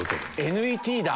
ＮＥＴだ！